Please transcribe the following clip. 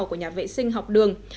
của nhà vệ sinh học đường